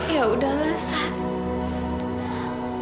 ya udahlah san